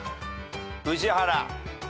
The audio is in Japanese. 宇治原。